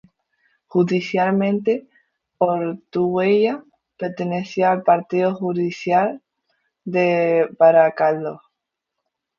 Judicialmente, Ortuella pertenece al partido judicial de Baracaldo.